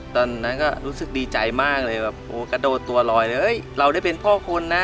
ตอนนั้นก็รู้สึกดีใจมากเลยแบบโอ้กระโดดตัวลอยเลยเราได้เป็นพ่อคุณนะ